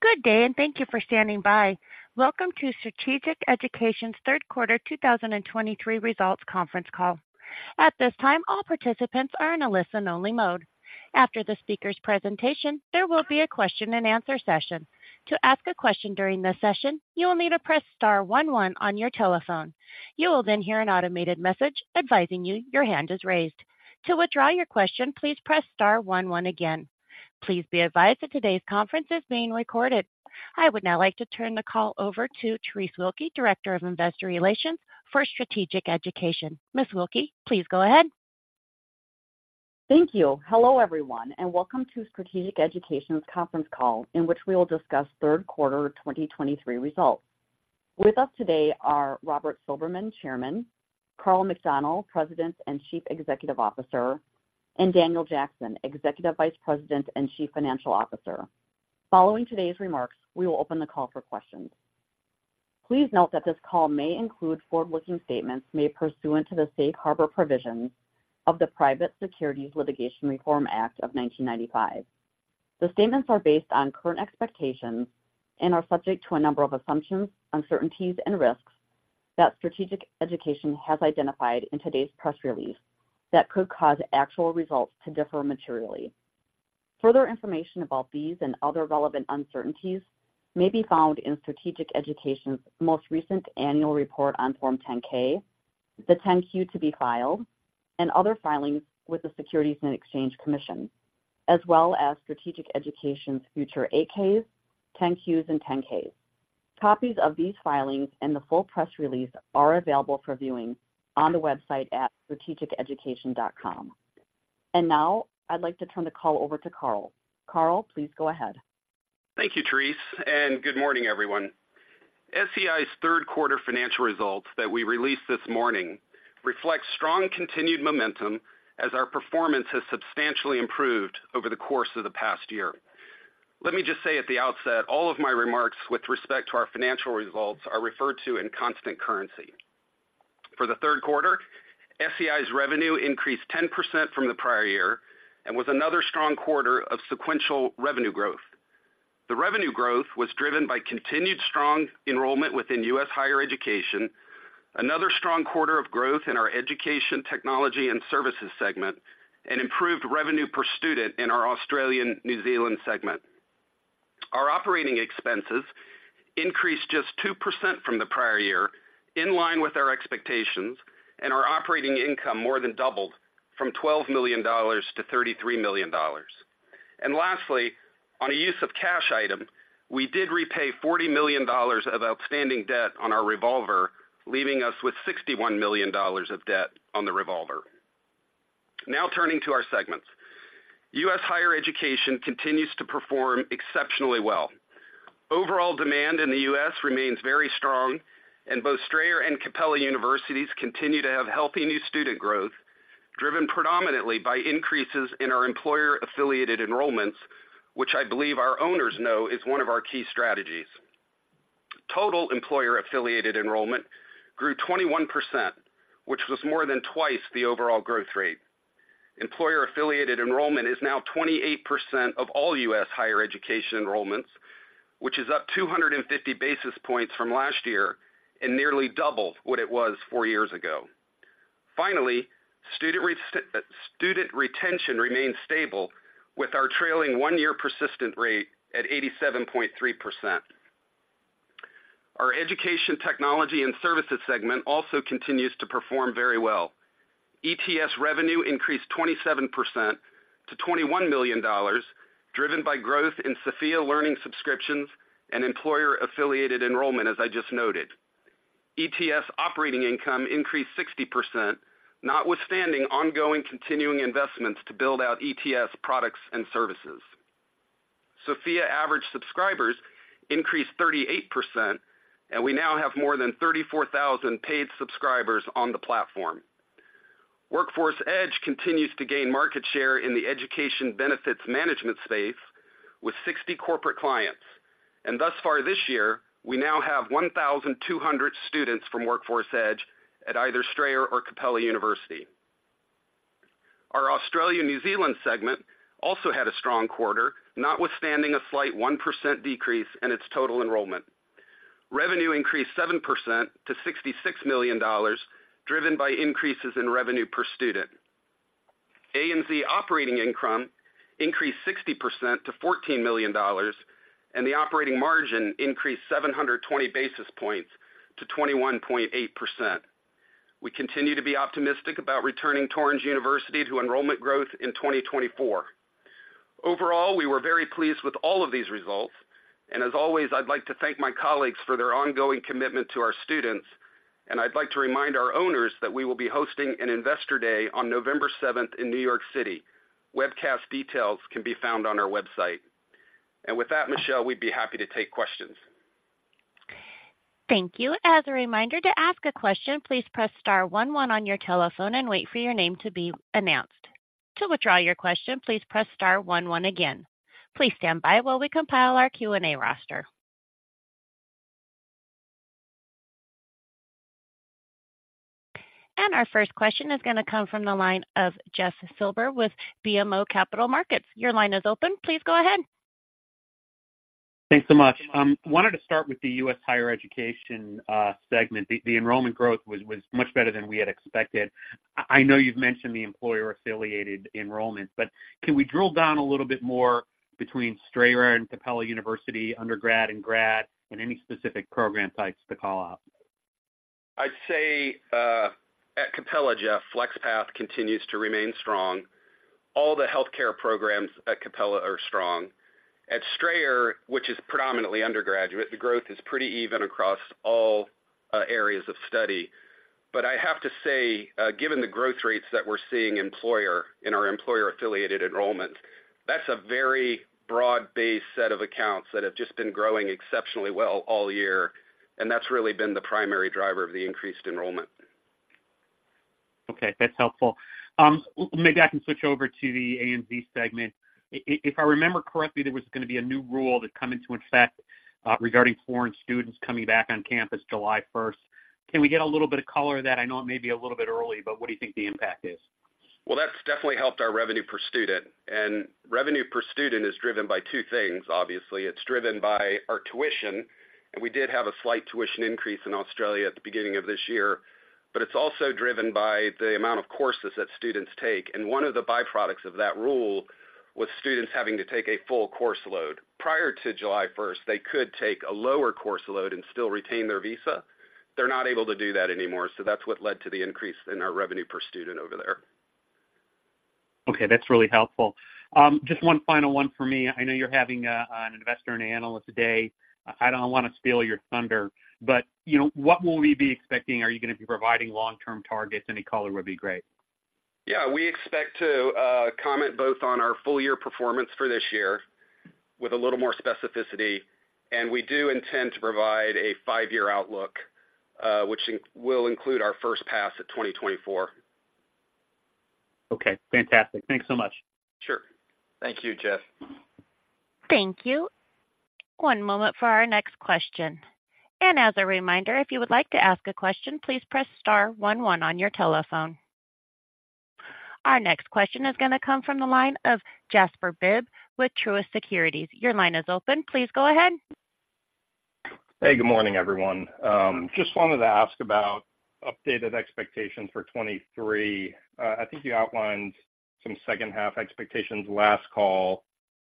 Good day, and thank you for standing by. Welcome to Strategic Education's third quarter 2023 results conference call. At this time, all participants are in a listen-only mode. After the speaker's presentation, there will be a question-and-answer session. To ask a question during this session, you will need to press star one one on your telephone. You will then hear an automated message advising you your hand is raised. To withdraw your question, please press star one one again. Please be advised that today's conference is being recorded. I would now like to turn the call over to Terese Wilke, Director of Investor Relations for Strategic Education. Ms. Wilke, please go ahead. Thank you. Hello, everyone, and welcome to Strategic Education's conference call, in which we will discuss third quarter 2023 results. With us today are Robert Silberman, Chairman, Karl McDonnell, President and Chief Executive Officer, and Daniel Jackson, Executive Vice President and Chief Financial Officer. Following today's remarks, we will open the call for questions. Please note that this call may include forward-looking statements made pursuant to the Safe Harbor Provisions of the Private Securities Litigation Reform Act of 1995. The statements are based on current expectations and are subject to a number of assumptions, uncertainties, and risks that Strategic Education has identified in today's press release that could cause actual results to differ materially. Further information about these and other relevant uncertainties may be found in Strategic Education's most recent annual report on Form 10-K, the 10-Q to be filed, and other filings with the Securities and Exchange Commission, as well as Strategic Education's future 8-Ks, 10-Qs, and 10-Ks. Copies of these filings and the full press release are available for viewing on the website at strategiceducation.com. And now I'd like to turn the call over to Karl. Karl, please go ahead. Thank you, Terese, and good morning, everyone. SEI's third quarter financial results that we released this morning reflect strong continued momentum as our performance has substantially improved over the course of the past year. Let me just say at the outset, all of my remarks with respect to our financial results are referred to in constant currency. For the third quarter, SEI's revenue increased 10% from the prior year and was another strong quarter of sequential revenue growth. The revenue growth was driven by continued strong enrollment within U.S. higher education, another strong quarter of growth in our education, technology, and services segment, and improved revenue per student in our Australian/New Zealand segment. Our operating expenses increased just 2% from the prior year, in line with our expectations, and our operating income more than doubled from $12 million to $33 million. Lastly, on a use of cash item, we did repay $40 million of outstanding debt on our revolver, leaving us with $61 million of debt on the revolver. Now, turning to our segments. U.S. higher education continues to perform exceptionally well. Overall demand in the U.S. remains very strong, and both Strayer and Capella Universities continue to have healthy new student growth, driven predominantly by increases in our employer-affiliated enrollments, which I believe our owners know is one of our key strategies. Total employer-affiliated enrollment grew 21%, which was more than twice the overall growth rate. Employer-affiliated enrollment is now 28% of all U.S. higher education enrollments, which is up 250 basis points from last year and nearly double what it was four years ago. Finally, student retention remains stable, with our trailing one-year persistence rate at 87.3%. Our education, technology, and services segment also continues to perform very well. ETS revenue increased 27% to $21 million, driven by growth in Sophia Learning subscriptions and employer-affiliated enrollment, as I just noted. ETS operating income increased 60%, notwithstanding ongoing continuing investments to build out ETS products and services. Sophia average subscribers increased 38%, and we now have more than 34,000 paid subscribers on the platform. Workforce Edge continues to gain market share in the education benefits management space with 60 corporate clients, and thus far this year, we now have 1,200 students from Workforce Edge at either Strayer or Capella University. Our Australia, New Zealand segment also had a strong quarter, notwithstanding a slight 1% decrease in its total enrollment. Revenue increased 7% to $66 million, driven by increases in revenue per student. ANZ operating income increased 60% to $14 million, and the operating margin increased 720 basis points to 21.8%. We continue to be optimistic about returning Torrens University to enrollment growth in 2024. Overall, we were very pleased with all of these results, and as always, I'd like to thank my colleagues for their ongoing commitment to our students. And I'd like to remind our owners that we will be hosting an Investor Day on November seventh in New York City. Webcast details can be found on our website. And with that, Michelle, we'd be happy to take questions. Thank you. As a reminder, to ask a question, please press star one one on your telephone and wait for your name to be announced. To withdraw your question, please press star one one again. Please stand by while we compile our Q&A roster.... Our first question is going to come from the line of Jeff Silber with BMO Capital Markets. Your line is open. Please go ahead. Thanks so much. Wanted to start with the U.S. higher education segment. The enrollment growth was much better than we had expected. I know you've mentioned the employer-affiliated enrollment, but can we drill down a little bit more between Strayer and Capella University, undergrad and grad, and any specific program types to call out? I'd say, at Capella, Jeff, FlexPath continues to remain strong. All the healthcare programs at Capella are strong. At Strayer, which is predominantly undergraduate, the growth is pretty even across all, areas of study. But I have to say, given the growth rates that we're seeing employer in our employer-affiliated enrollment, that's a very broad-based set of accounts that have just been growing exceptionally well all year, and that's really been the primary driver of the increased enrollment. Okay, that's helpful. Maybe I can switch over to the ANZ segment. If I remember correctly, there was going to be a new rule that come into effect, regarding foreign students coming back on campus July 1st. Can we get a little bit of color on that? I know it may be a little bit early, but what do you think the impact is? Well, that's definitely helped our revenue per student. And revenue per student is driven by two things, obviously. It's driven by our tuition, and we did have a slight tuition increase in Australia at the beginning of this year, but it's also driven by the amount of courses that students take. And one of the byproducts of that rule was students having to take a full course load. Prior to July first, they could take a lower course load and still retain their visa. They're not able to do that anymore, so that's what led to the increase in our revenue per student over there. Okay, that's really helpful. Just one final one for me. I know you're having an investor and analyst day. I don't want to steal your thunder, but you know, what will we be expecting? Are you going to be providing long-term targets? Any color would be great. Yeah, we expect to comment both on our full year performance for this year with a little more specificity, and we do intend to provide a five-year outlook, which will include our first pass at 2024. Okay, fantastic. Thanks so much. Sure. Thank you, Jeff. Thank you. One moment for our next question. And as a reminder, if you would like to ask a question, please press star one one on your telephone. Our next question is going to come from the line of Jasper Bibb with Truist Securities. Your line is open. Please go ahead. Hey, good morning, everyone. Just wanted to ask about updated expectations for 2023. I think you outlined some second-half expectations last call,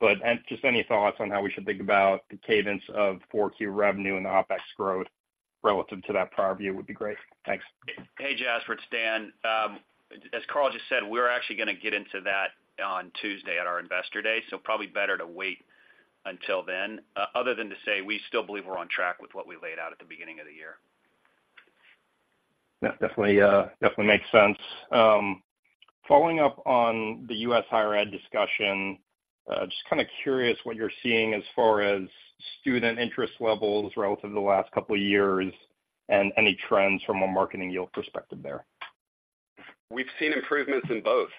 but, and just any thoughts on how we should think about the cadence of Q4 revenue and the OpEx growth relative to that prior view would be great. Thanks. Hey, Jasper, it's Dan. As Karl just said, we're actually gonna get into that on Tuesday at our Investor Day, so probably better to wait until then, other than to say, we still believe we're on track with what we laid out at the beginning of the year. Yeah, definitely, definitely makes sense. Following up on the US higher ed discussion, just kinda curious what you're seeing as far as student interest levels relative to the last couple of years and any trends from a marketing yield perspective there. We've seen improvements in both.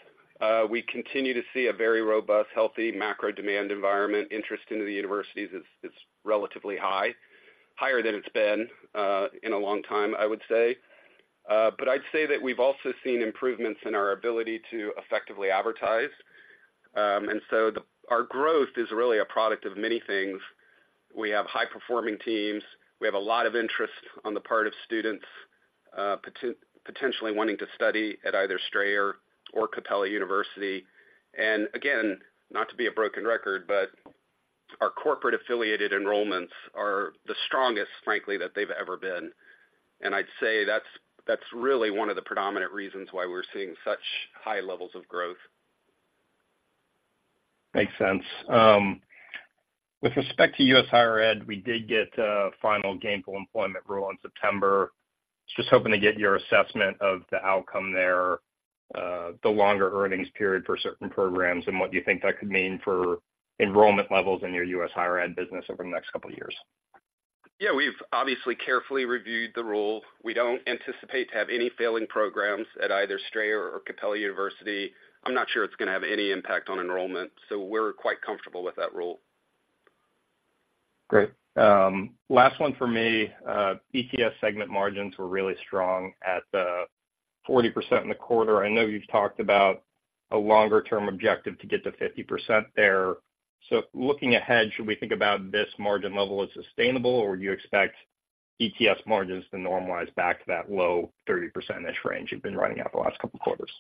We continue to see a very robust, healthy macro demand environment. Interest into the universities is relatively high, higher than it's been in a long time, I would say. But I'd say that we've also seen improvements in our ability to effectively advertise. Our growth is really a product of many things. We have high-performing teams, we have a lot of interest on the part of students, potentially wanting to study at either Strayer or Capella University. And again, not to be a broken record, but our corporate-affiliated enrollments are the strongest, frankly, that they've ever been. I'd say that's really one of the predominant reasons why we're seeing such high levels of growth. Makes sense. With respect to U.S. higher ed, we did get a final gainful employment rule in September. Just hoping to get your assessment of the outcome there, the longer earnings period for certain programs, and what do you think that could mean for enrollment levels in your U.S. higher ed business over the next couple of years? Yeah, we've obviously carefully reviewed the rule. We don't anticipate to have any failing programs at either Strayer or Capella University. I'm not sure it's going to have any impact on enrollment, so we're quite comfortable with that rule. Great. Last one for me. ETS segment margins were really strong at 40% in the quarter. I know you've talked about a longer-term objective to get to 50% there. So looking ahead, should we think about this margin level as sustainable, or you expect ETS margins to normalize back to that low 30% range you've been running out the last couple of quarters?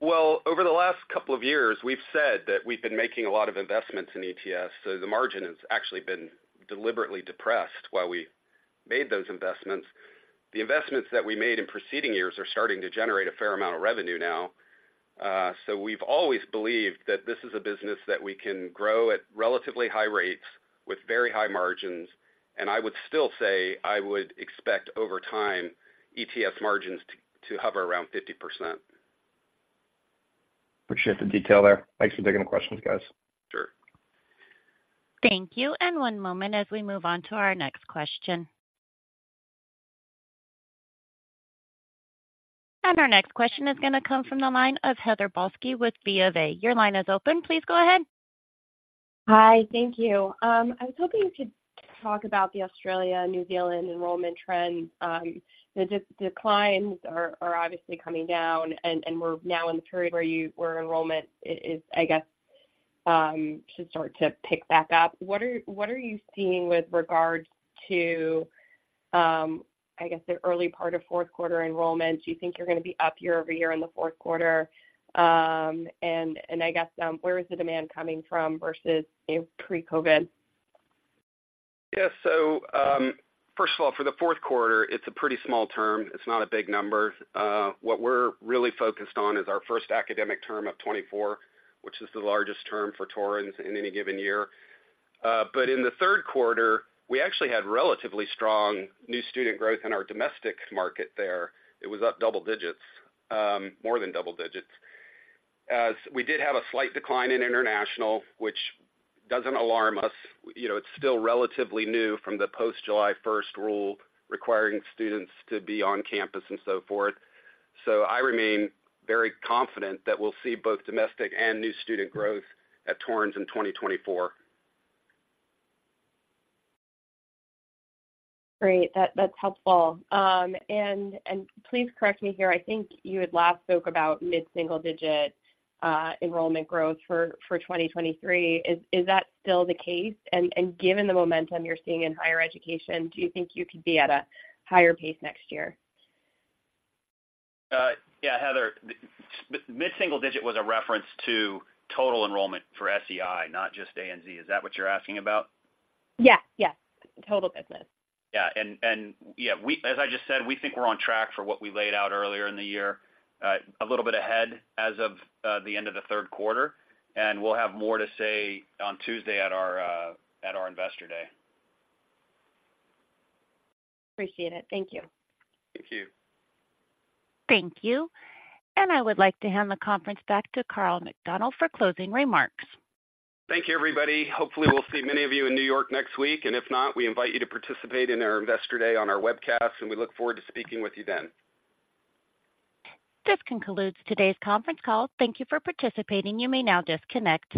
Well, over the last couple of years, we've said that we've been making a lot of investments in ETS, so the margin has actually been deliberately depressed while we made those investments. The investments that we made in preceding years are starting to generate a fair amount of revenue now. So we've always believed that this is a business that we can grow at relatively high rates with very high margins, and I would still say I would expect over time, ETS margins to hover around 50%. Appreciate the detail there. Thanks for taking the questions, guys. Sure. Thank you, and one moment as we move on to our next question. Our next question is going to come from the line of Heather Balsky with BofA. Your line is open. Please go ahead.... Hi, thank you. I was hoping you could talk about the Australia, New Zealand enrollment trends. The declines are obviously coming down, and we're now in the period where enrollment is, I guess, should start to pick back up. What are you seeing with regards to, I guess, the early part of fourth quarter enrollments? Do you think you're gonna be up year-over-year in the fourth quarter? And I guess, where is the demand coming from versus in pre-COVID? Yes. So, first of all, for the fourth quarter, it's a pretty small term. It's not a big number. What we're really focused on is our first academic term of 2024, which is the largest term for Torrens in any given year. But in the third quarter, we actually had relatively strong new student growth in our domestic market there. It was up double digits, more than double digits. As we did have a slight decline in international, which doesn't alarm us. You know, it's still relatively new from the post-July 1 rule, requiring students to be on campus and so forth. So I remain very confident that we'll see both domestic and new student growth at Torrens in 2024. Great, that's helpful. And please correct me here, I think you had last spoke about mid-single digit enrollment growth for 2023. Is that still the case? And given the momentum you're seeing in higher education, do you think you could be at a higher pace next year? Yeah, Heather, mid single digit was a reference to total enrollment for SEI, not just ANZ. Is that what you're asking about? Yes, yes. Total business. Yeah, as I just said, we think we're on track for what we laid out earlier in the year, a little bit ahead as of the end of the third quarter, and we'll have more to say on Tuesday at our Investor Day. Appreciate it. Thank you. Thank you. Thank you. I would like to hand the conference back to Karl McDonnell for closing remarks. Thank you, everybody. Hopefully, we'll see many of you in New York next week, and if not, we invite you to participate in our Investor Day on our webcast, and we look forward to speaking with you then. This concludes today's conference call. Thank you for participating. You may now disconnect.